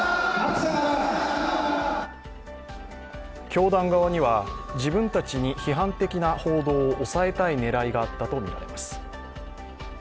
教団側には、自分たちに批判的な報道を抑えたい狙いがあったとみられます。